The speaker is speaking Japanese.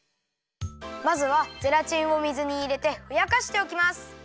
まずはゼラチンを水にいれてふやかしておきます。